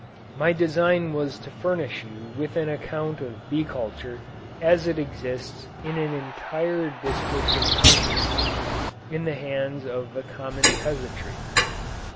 My design was to furnish you with an account of bee culture as it exists in an entire district of country, in the hands of the common peasantry.